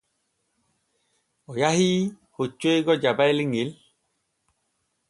O yahi hoccoygo Jabayel ŋel.